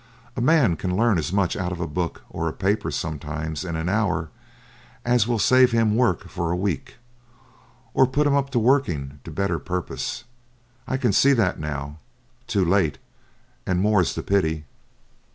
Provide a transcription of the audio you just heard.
A man can learn as much out of a book or a paper sometimes in an hour as will save his work for a week, or put him up to working to better purpose. I can see that now too late, and more's the pity.